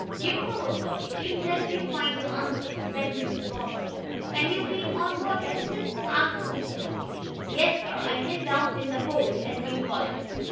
"You poor boy. We'll help you find your uncle," said Mrs. Bobbsey. "And you've been on board ever since?" asked Mr. Bobbsey. "Yes, sir. I hid down in the 'hold,' as you call it.